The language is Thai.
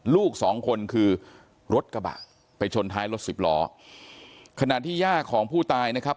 ลูกสองคนคือรถกระบะไปชนท้ายรถสิบล้อขณะที่ย่าของผู้ตายนะครับ